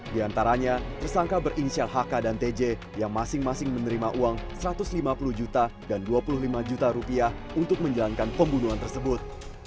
di antaranya tersangka berinisial hk dan tj yang masing masing menerima uang satu ratus lima puluh juta dan dua puluh lima juta rupiah untuk menjalankan pembunuhan tersebut